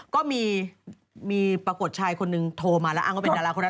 ก็มีปรากฏชายคนนึงโทรมาแล้วอ้างว่าเป็นดาราคนนั้น